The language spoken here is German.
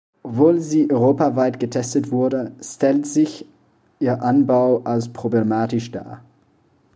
Obwohl sie europaweit getestet wurde, stellt sich ihr Anbau als problematisch dar.